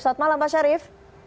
selamat malam pak syarif